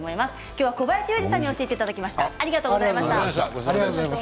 今日は小林雄二さんに教えていただきました。